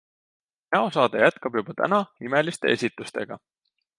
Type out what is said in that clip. Näosaade jätkab juba täna imeliste esitustega!